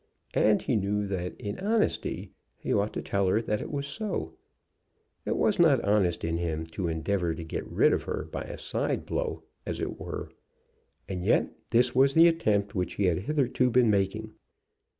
And he knew that in honesty he ought to tell her that it was so. It was not honest in him to endeavor to get rid of her by a side blow, as it were. And yet this was the attempt which he had hitherto been making.